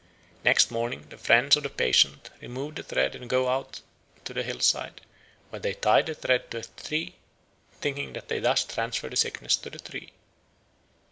Next morning the friends of the patient remove the thread and go out to the hillside, where they tie the thread to a tree, thinking that they thus transfer the sickness to the tree.